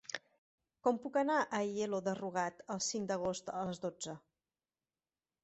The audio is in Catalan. Com puc anar a Aielo de Rugat el cinc d'agost a les dotze?